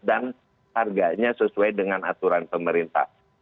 dan harganya sesuai dengan aturan pemerintah